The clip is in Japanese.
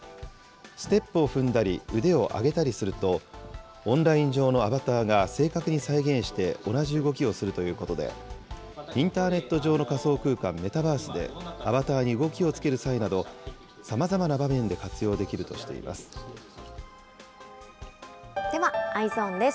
ステップを踏んだり、腕を上げたりすると、オンライン上のアバターが正確に再現して同じ動きをするということで、インターネット上の仮想空間・メタバースで、アバターに動きをつける際など、さまざまな場面で活用できるとしではＥｙｅｓｏｎです。